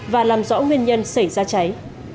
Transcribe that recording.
và làm rõ nguyên nhân xảy ra cháy